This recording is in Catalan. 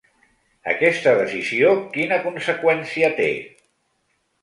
Aquesta decisió, quina conseqüència té?